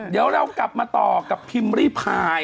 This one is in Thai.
เดี๋ยวเรากลับมาต่อกับพิมพ์ริพาย